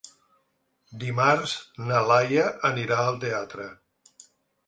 Dimarts na Laia anirà al teatre.